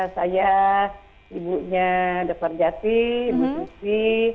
saya ibunya dokter jati